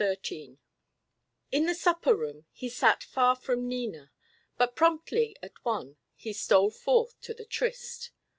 XIII In the supper room he sat far from Nina; but promptly at one he stole forth to the tryst.